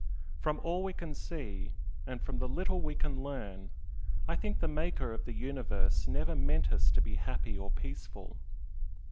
From all we can see, and from the little we can learn, I think the Maker of the universe never meant us to be happy or peaceful.